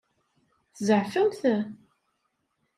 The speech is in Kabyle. Tzeɛfemt?